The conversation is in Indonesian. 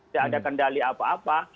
tidak ada kendali apa apa